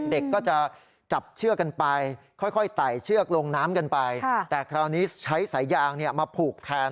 เด็กก็จะจับเชือกกันไปค่อยไต่เชือกลงน้ำกันไปแต่คราวนี้ใช้สายยางมาผูกแทน